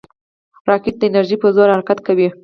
راکټ د انرژۍ په زور حرکت کوي